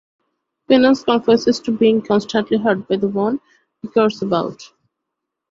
Finneas confesses to being constantly hurt by the one he cares about.